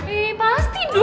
eh pasti dong